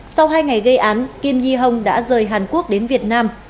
sau hai ngày gây án kim di hồng đã rời hàn quốc đến việt nam